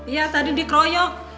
iya tadi dikroyok